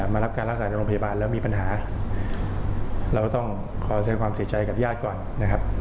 มารับการรักษาในโรงพยาบาลแล้วมีปัญหาเราต้องขอแสดงความเสียใจกับญาติก่อนนะครับ